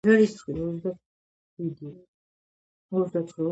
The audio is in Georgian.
ეს აქტივობა გაღვიძებული, აქტიური ტვინის შემთხვევაში მიმდინარე რხევების მსგავსია.